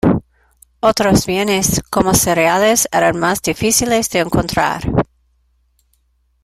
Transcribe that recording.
Otros bienes, como cereales eran más difíciles de encontrar.